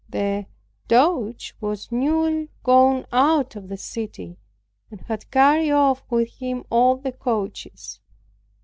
The Doge was newly gone out of the city, and had carried off with him all the coaches.